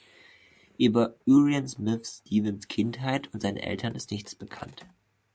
Über Uriah Smith Stephens' Kindheit und seine Eltern ist nichts bekannt.